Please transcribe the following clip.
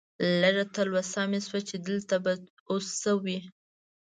لږه تلوسه مې شوه چې دلته به اوس څه وي.